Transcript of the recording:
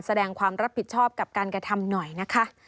แสดงความรับผิดชอบกับการกระทำหน่อยนะคะ